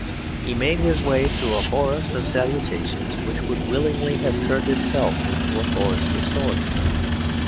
He made his way through a forest of salutations, which would willingly have turned itself into a forest of swords.